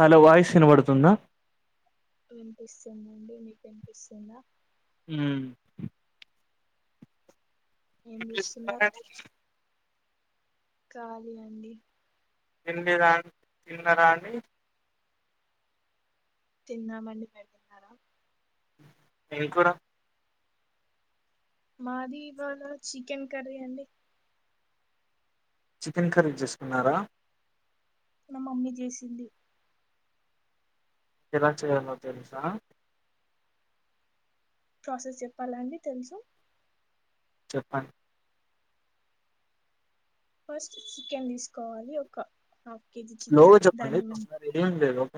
Hello voice వినబడుతుందా. వినిపిస్తుందండి నీకు వినిపిస్తుందా. ఉమ్ ఏం చేస్తున్నారండీ. ఖాలీ అండి. తిండి రా తిన్నరా అండి. తిన్నామండి. మీరు తిన్నారా. ఏం కూర. మాది ఇవాళ చికెన్ కర్రీ అండి. చికెన్ కర్రీ చేసుకున్నారా. మా మమ్మీ చేసింది. ఎలా చేయాలో తెలుసా. ప్రాసెస్ చెప్పాలాండి తెలుసు. చెప్పండి. ఫస్ట్ చికెన్ తీసుకోవాలి. ఒక హఫ్ స్లోగ చెప్పండి తొందర ఏం లేదు. ఓక్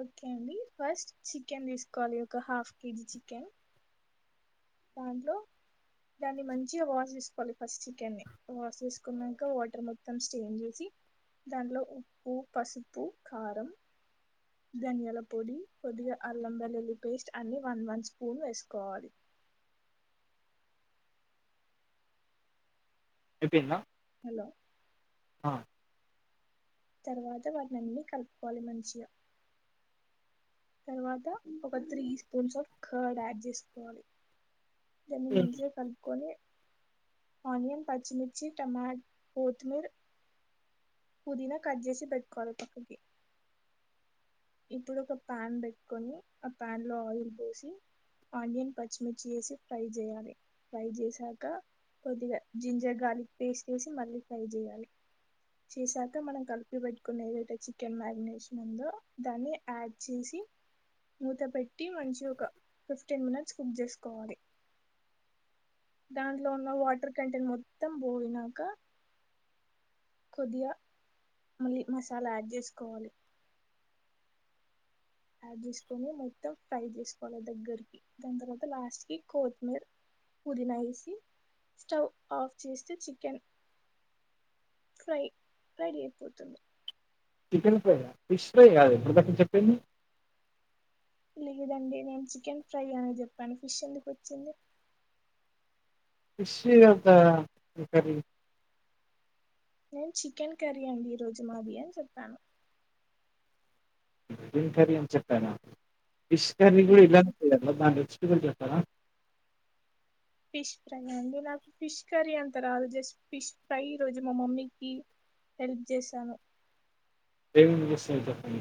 ఓకే అండి ఫస్ట్ చికెన్ తీసుకోవాలి ఒక హాఫ్ కేజీ చికెన్. దాంట్లో దాన్ని మంచిగ వాష్ చేసుకోవాలి ఫస్ట్ చికెన్ని. వాష్ చేసుకునంక వాటర్ మొత్తం స్టెయిన్ చేసి దాంట్లో ఉప్పు, పసుపు, కారం. ధనియాల పొడి, కొద్దిగా అల్లం వెల్లుల్లి పేస్ట్ అన్ని వన్ వన్ స్పూన్ వేసుకోవాలి. చెప్పిందా హలో ఆ తర్వాత వాటినిన్ని కలుపుకోవాలి మంచిగా తర్వాత ఒక three spoons of curd add చేసుకోవాలి దాన్ని మంచిగా కలుపుకొని ఆనియన్ పచ్చిమిర్చి టమాటా కొత్తిమీర పుదీనా కట్ చేసి పెట్టుకోవాలి పక్కకి ఇప్పుడు ఒక ప్యాన్ పెట్టుకొని ఆ ప్యాన్ లో ఆయిల్ పోసి ఆనియన్ పచ్చిమిర్చి వేసి ఫ్రై చేయాలి ఫ్రై చేసాక కొద్దిగా జింజర్ గార్లిక్ పేస్ట్ వేసి మళ్ళీ ఫ్రై చేయాలి చేసాక మనం కలిపి పెట్టుకునే ఏదైతే చికెన్ మ్యారినేషన్ ఉందో దాన్ని యాడ్ చేసి మూత పెట్టి మంచిగా ఒక ఫిఫ్టీన్ మినిట్స్ కుక్ చేసుకోవాలి దాంట్లో ఉన్న వాటర్ కంటెంట్ మొత్తం పోయినాక కొద్దిగా మలి మసాలా యాడ్ చేసుకోవాలి యాడ్ చేసుకొని మొత్తం ఫ్రై చేసుకోవాలి దగ్గరికి దాని తర్వాత లాస్ట్ కి కొత్తిమీర పుదీనా వేసి స్టవ్ ఆఫ్ చేస్తే చికెన్ ఫ్రై ఫ్రై రెడీ అయిపోతుంది చికెన్ ఫ్రై ఫిష్ ఫ్రై కాద ఇప్పటిదాక చెప్పింది తెలిదండి నేను చికెన్ ఫ్రై అని చెప్పాను ఫిష్ ఎందుకు వచ్చింది ఫిష్ ఏట ప్రిపేర్ నేను చికెన్ కరీ అండి ఈ రోజు మది అని చెప్పాను చికెన్ కర్రీ చెప్పారా ఫిష్ కర్రీ కూడా ఎలా చెప్పాను [unintelligible] ఫిష్ ఫ్రై అండి నాకు ఫిష్ కర్రీ అంత రాదు జస్ట్ ఫిష్ ఫ్రై రోజు మా మమ్మీకి హెల్ప్ చేశాను ఏం ఏం చేస్తారో చేపండి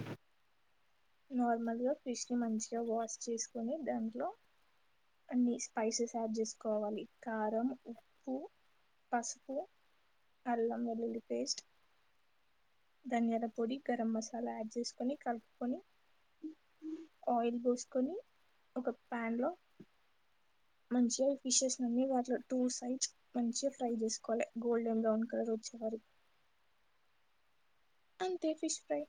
నార్మల్గా ఫిష్ ని మంచిగా వాష్ చేసుకొని దాంట్లో అన్ని స్పైసెస్ యాడ్ చేసుకోవాలి కారం ఉప్పు పసుపు అల్లం వెల్లుల్లి పేస్ట్ ధనియాల పొడి గరం మసాలా యాడ్ చేసుకొని కలుపుకొని ఆయిల్ పోసుకొని ఒక ప్యాన్ లో మంచిగా ఫిషెస్ అన్ని వా టూ సైడ్స్ మంచిగా ఫ్రై చేసుకోవాలి గోల్డెన్ బ్రౌన్ కలర్ వచ్చేవారుకి అంతే ఫిష్ ఫ్రై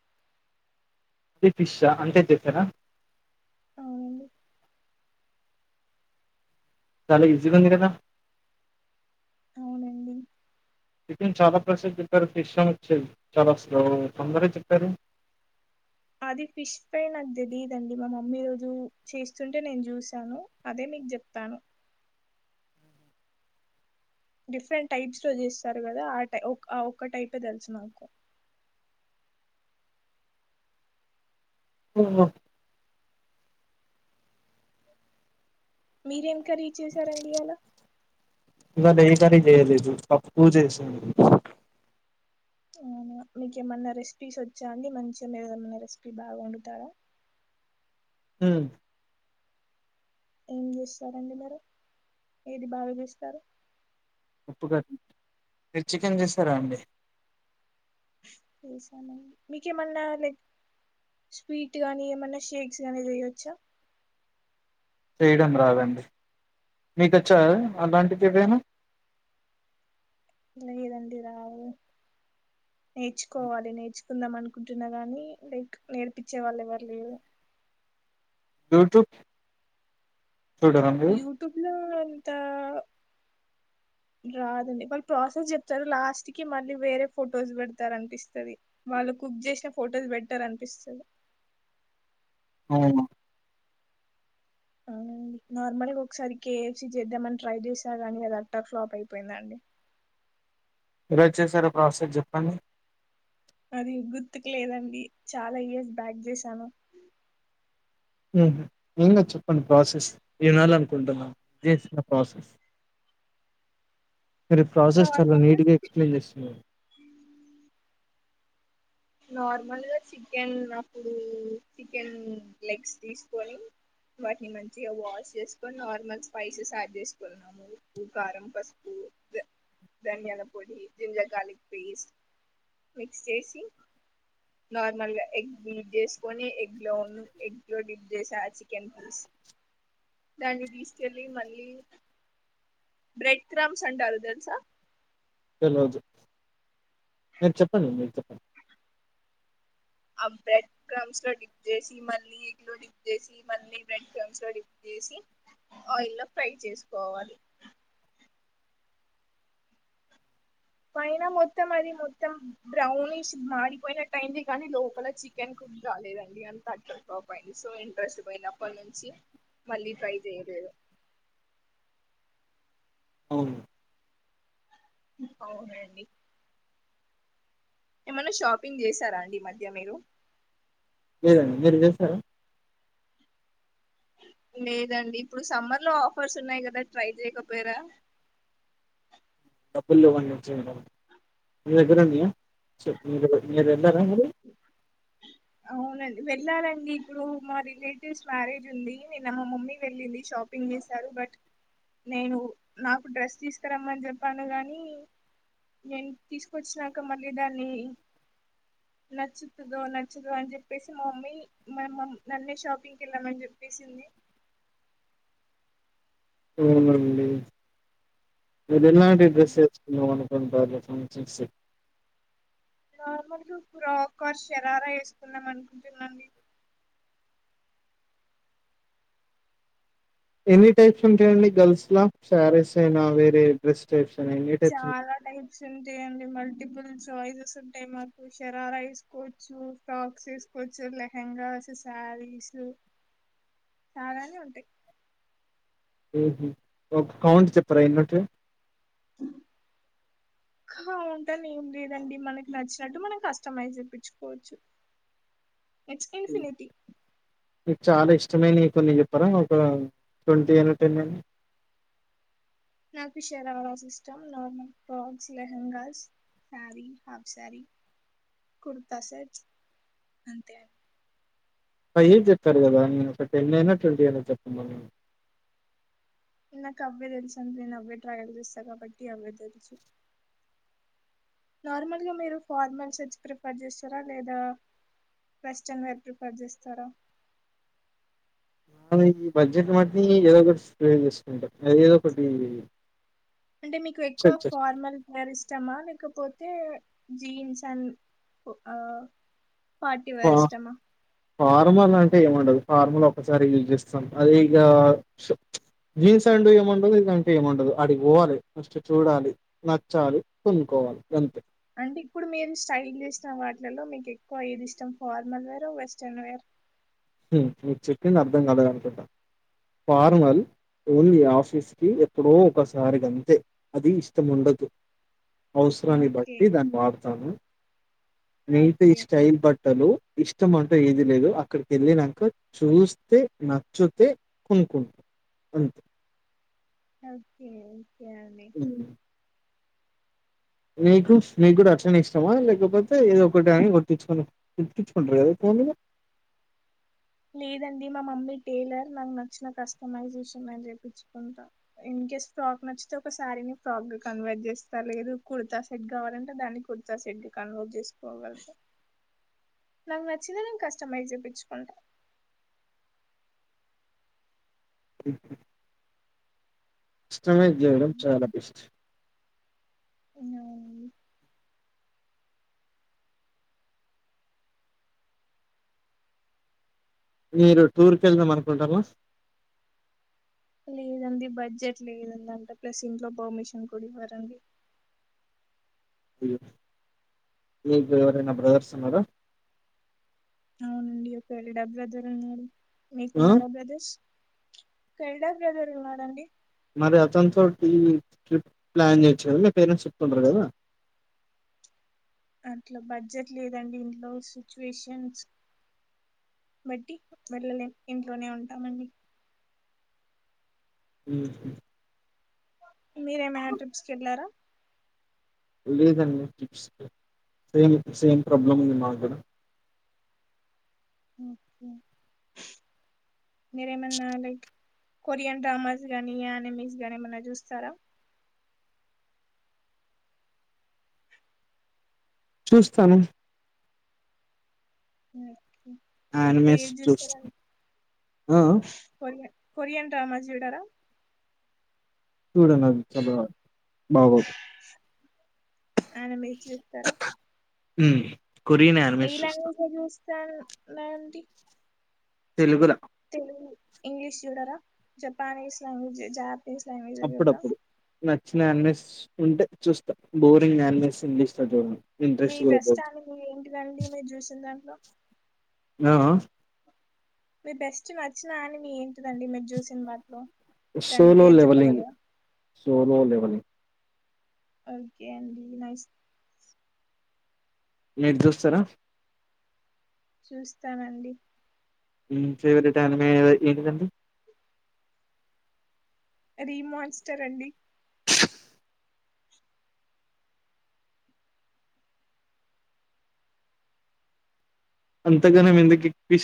అదే ఫిష్షా అంతే చెప్పారా అవునండి చాలా ఈజీ గా ఉంది కదా అవునండి చికెన్ చాలా ప్రాసెస్ చెప్పారు ఫిష్ అని వచ్చే చాలా తొందర చెప్పారు అది ఫిష్ ఫ్రై నాకు తెలీదండి మా మమ్మీ ఇ రోజు చేస్తుంటే నేను చూశాను అదే మీకు చెప్తాను డిఫరెంట్ టైప్స్ లో జేస్తారు కదా ఆ ట ఆ ఒక్కటైతే తెలుసు నాకు ఆ మీరేం కర్రీ చేశారండి ఇయ్యాల ఇకా ఏం కర్రీ చేయలేదు పప్పు చేసింది ఆ మీకేమన్నా రెసిపీస్ వచ్చా అండి మంచిగా మీరు ఏమన్నా రెసిపీ బాగా వండుతారా హ ఏం చేస్తారండి మీరు ఏది బాగాచేస్తారు ఉప్పు కట్ట మీరు చికెన్ చేస్తారా అండి చేసానండి మీకేమన్నా లైక్ స్వీట్ గానీ ఏమన్నా షేక్స్ గానీ చేయవచ్చా చేయడం రాదండి మీకచ్చా అలాంటిది ఇవేనా లేదండి రావు నేర్చుకోవాలి నేర్చుకుందాం అనుకుంటున్నా గానీ లైక్ నేర్పించే వాళ్ళు ఎవరు లేరు యూట్యూబ్ చూడరా మీరు యూట్యూబ్ లో అంత రాదండి వాళ్ళు ప్రాసెస్ చెప్తారు లాస్ట్ కి మళ్ళీ వేరే ఫొటోస్ పెడతారు అనిపిస్తుంది వాళ్ళు కుక్ చేసిన ఫొటోస్ పెట్టారు అనిపిస్తుంది అవును అ నార్మల్గా ఒకసారి కేఎఫ్ సి చేద్దామని ట్రై చేసా కానీ అది అట్ట ఫ్లాప్ అయిపోయిందండి ఏలా చేశారో ప్రాసెస్ చెప్పండి అది గుర్తుకు లేదండి చాలా ఇయర్స్ బ్యాక్ చేసాను ఉమ్ ఏమ్ కాదండి చెప్పండి ప్రాసెస్ ఇనాళనుకుంటున్నా చేసిన ప్రాసెస్ మీరు ఈ ప్రాసెస్ చాలా నార్మల్గా నీట్గా ఎక్స్ప్లెయిన్ చేస్తున్నారు నార్మల్గా చికెన్ అప్పుడు చికెన్ లెగ్స్ తీసుకొని వాటిని మంచిగా వాష్ చేసుకొని నార్మల్ స్పైసెస్ యాడ్ చేసుకున్నాము ఉప్పు కారం పసుపు ధనియాల పొడి జింజర్ గార్లిక్ పేస్ట్ మిక్స్ చేసి నార్మల్గా ఎగ్ ప్ చేసుకొని ఎగ్ లో ఎగ్ లో డిప్ చేసా చికెన్ పీస్ దాన్ని తీసుకెళ్ళి మళ్ళీ బ్రెడ్ క్రమ్స్ అంటారు తెలుసా ఏం రాదు మీర్ చెప్పండి మీరు చెప్పండి ఆ బ్రెడ్ క్రమ్స్ లో డిప్ చేసి మళ్ళీ ఎగలో డిప్ చేసి మళ్ళీ బ్రెడ్ క్రమ్స్ లో డిప్ చేసి ఆయిల్ లో ఫ్రై చేసుకోవాలి పైన మొత్తం అది మొత్తం బ్రౌనిష్ మాడిపోయిన టైంది కానీ లోపల చికెన్ కుక్ కాలేదండి అంత అట్టర్ టప్ అయింది సో ఇంట్రెస్ట్ పోయినప్పటి నుంచి మళ్ళీ ట్రై చేయలేదు అవును అవునండి ఏమన్న షాపింగ్ చేసార అండి ఈ మధ్య మీరు లేదండి మీర్ చేసార లేదండి ఇప్పుడు సమ్మర్ లో ఆఫర్స్ ఉన్నాయి కదా ట్రై చేయకపోయరా డబ్బుల్ లేవండి మేడం మీ దగ్గర ఉన్నయా స మీరు మీ ద్గర తిన్నార మీరు అవునండి వెళ్ళాలండి ఇప్పుడు మా రిలేటివ్స్ మ్యారేజ్ ఉంది నిన్న మా మమ్మీ వెళ్ళింది షాపింగ్ చేశారు బట్ నేను నాకు డ్రెస్ తీసుకురమ్మని చెప్పాను కాగాని నేను తీసుకొచ్చినాక మళ్ళీ దాన్ని నచ్చుతుందో న నచ్చదు అని చెప్పేసి మా మమ్మీ మ నన్నే షాపింగ్ కి వెళ్ళామని చెప్పేసింది అవునండి మీరు ఎలాంటి డ్రెస్ చేసుకున్నా మనం [unintelligible] సిక్స్ ఒక్కో శరారా వేస్తుకున్నాం అనుకుంటున్నాండి ఎన్ని టైప్స్ ఉంటాయండి గర్ల్స్ లా శారీస్ అయినా వేరే డ్రెస్ టైప్స్ అయినా ఎన్ని టైప్స్ ఉంటాయి చాలా టైప్స్ ఉంటెయండి మల్టిపుల్స్ జయిల్స్ ఉంటయి మాకు శరారా వేసుకోవచ్చు ఫ్రాక్స్ వేసుకోవచ్చు లెహెంగాస్ శారీస్ చాలానె ఉంటాయి ఊహూ ఒక కౌంట్ చెప్పరా ఎన్కుంటయో ఖావుంటాను ఏం లేదండి మనకి నచ్చినట్టు మనం కష్టటమైజ్ చేప్పించుకోవచ్చు ఇట్స్పెనిటి చాల ఇష్టమైనైన కొన్ని చెప్పరా ఒక ట్వంటీ అండ్ టెన్ అనా నాకు షరావస్ ఇష్టం normal frocks lehengas sari half sari kurta set అంతే అ ఏం చెప్పారు కదా నేను ఒక టెన్ అయిన ట్వంటి అయిన చెప్పమన్న నాకు అవ్వే తెలుసు అం డి నేను అవే ట్రాయల్ చేస్తా కాబట్టి అవే తెలుసు నార్మల్గా మీరు ఫార్మల్ సెట్స్ ప్రిఫర్ చేస్తరా లేదా వెస్ట్రన్ వేర్ ప్రిఫర్ చేస్తరా మనం ఈ బడ్జెట్ మట్ని ఏదో ఒకటి ప్రిఫర్ చేసుకుంటాం అది ఏదో ఒకటి అంటే మీకు ఎక్కువ సెట్ చేస్తాం ఫార్మల్ హేర్ ఇష్టామా లేకపోతే జీన్స్ అని పా ఫార్మల్ అం టె అంటే ఏముండదు ఫార్ముల్ ఒకసారి యూజ్ చేస్తాం అది ఇక జీన్స్ అంటూ ఏముండదు ఇక అంటూ ఏముండదు అడి పోవాలె ఫస్ట్ చూడాలి నచ్చాలి కొనుక్కోవాలి అంతే అంటే ఇప్పుడు మీరు స్టైల్ చేసిన వాటిలలో మీకు ఎక్కువ ఏది ఇష్టం ఫార్మల్ వేర్ వెస్టర్న్ వేర్ మీ చెప్పింది అర్థం కాలేదనుకుంటా పార్మల్ ఓన్లీ ఆఫీస్ కి ఎప్పుడో ఒకసారి గ అంతే అది ఇష్టం ఉండదు అవసరాన్ని ఓకే బట్టి దాన్ని వాడతాను మీటి ఈ ఓకే స్టైల్ బట్టలు ఇ ఇష్టం అంటే ఏది లేదు అక్కడికి వెళ్ళినాక చూస్తే నచ్చుతే కొనుకుంటాం అంతే ఓకే ఓకే అండి హ్మ్ నీకు నీకు కూడా అట్లనే ఇష్టామా లేకపోతే ఏదో ఒకటి అని కుట్టించుకు కుట్టిచ్చుకుంటారు ఎక్కువ మీరు లేదండి మా మమ్మీ టైలర్ నాకు నచ్చిన కస్టమైజేషన్ అని చేపించుకుంటా ఇన్ కేేస్ ఫ్రాక్ నచ్చితే ఒక శారీని ఫ్రాక్ కన్వర్ట్ చేస్తారు లేదు కుర్తా సెట్ కావాలంటే దాన్ని కుర్తా సెట్ కన్వర్ట్ చేసుకోగల నాకు నచ్చినవి నేను కస్టమైజ్ చెప్పిచ్చుకుంట ఉహూ కస్టమైజ్ చేయడం చాలా బెస్ట్ ఇంకేం అండి మీరు టూర్ కి వెళ్దాం అనుకుంటారా లేదండి బడ్జెట్ లేదండి అంటే ప్లస్ ఇంట్లో పర్మిషన్ కూడా ఇవ్వారండి అయ్య మీ ఇంట్లో ఎవరన్న బ్రదర్స్ ఉన్నారా అవునండి ఒకే ఎల్డర్ బ్రదర్ ఉన్నారు ఆ మీకున్నారా బ్రదర్స్ ఎల్డర్ బ్రదర్లు ఉన్నారా అండి మరి అతనితో ట్రిప్ ప్లాన్ చేయొచ్చు కదా మీ పేరెంట్స్ చెప్తుంటారు కదా అంట్లో బడ్జెట్ లేదండి ఇంట్లో సిచ్యువేషన్స్ బట్టి వెళ్ళలేము ఇంట్లోనే ఉంటామండి ఉహూ మీరేమైనా ట్రిప్స్కి వెళ్ళారా లేదండి టిప్స్ సేమ్ సేమ్ ప్రాబ్లమ్ ఉంది మాకు గూడా ఓకే మీరేమన్న లైక్ కొరియన్ డ్రామాస్ గాని యానిమిస్ గాని ఏమన్నా చూస్తారా చూస్తాను ఉమ్ ఆనిమేస్ చూస్తా ఆ ఆ కొరియన్ కొరియన్ డ్రామాస్ చూడరా చూడనది అస్సలు బాగోదు ఆనమీ చూత్తారా ఉమ్ కొరియన్ ఆనిమేస్ చూస్తా సన్ నాటి తెలుగుల తెలుగు ఇంగ్లీష్ చూడరా Japanese language Japanese language లో చూడరా చ్చిన ఆనిమీస్ ఉంటే చూస్తాం బోరింగ్ ఆనిమీస్ అంటే చూడను మీ బెస్ట్ అని మీ ఏంటిదండి మీరు చూసిన దాంట్లో ఆ ఆ మీ బెస్ట్ నచ్చినాని మీ ఏంటిదండి మీరు చూసిన వాటిలో దాని సోలో పేరు లెవెలింగ్ చెప్పగలరా సోలో లెవెలింగ్ ఓకే అండి నైస్ మీరు చూస్తారా చూస్తానండి ఉ ఫేవరిట్ అనమే ఏంటిదండి రీమాన్స్టర్ అండి అంతగనం ఎందుకు కి పిస్